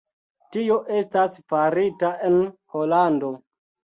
Tio estas farita en Holando.